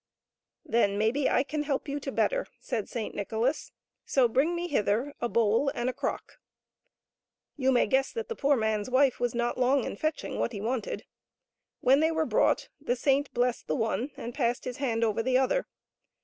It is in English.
" Then, maybe, I can help you to better," said Saint Nicholas. " So bring me hither a bowl and a crock." You may guess that the poor man's wife was not long in fetching what he wanted. When they were brought the saint blessed the one and passed his hand over the other.